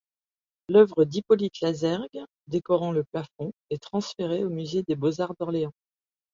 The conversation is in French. L’œuvre d'Hippolyte Lazerges décorant le plafond est transférée au musée des Beaux-Arts d'Orléans.